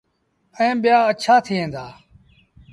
ائيٚݩ ٻيٚآ اَڇآ ٿئيٚݩ دآ۔